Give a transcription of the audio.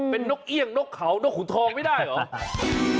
เป็นนกเอี่ยงนกเขานกขุนทองไม่ได้เหรอ